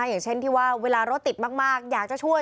อย่างเช่นที่ว่าเวลารถติดมากอยากจะช่วย